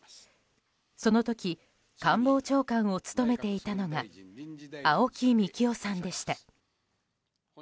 その時官房長官を務めていたのが青木幹雄さんでした。